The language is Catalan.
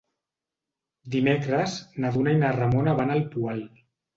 Dimecres na Duna i na Ramona van al Poal.